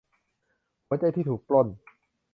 หัวใจที่ถูกปล้น